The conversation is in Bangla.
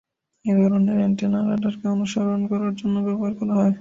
এই ধরনের অ্যান্টেনা রাডারকে অনুসরণ করার জন্য ব্যবহার করা হয়।